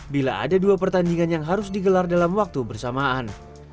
bila ada dua pertandingan yang harus digelar dalam waktu bersamaan